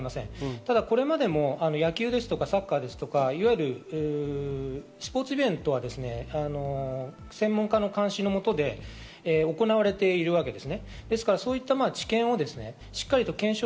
ただ、これまでも野球やサッカー、スポーツイベントは、専門家の監視の下で行われているわけです。